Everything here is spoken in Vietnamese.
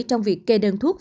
trong việc kê đơn thuốc